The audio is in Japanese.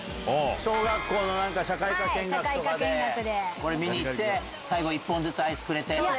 小学校の社会科見学とかでこれ見に行って最後１本ずつアイスくれてとか。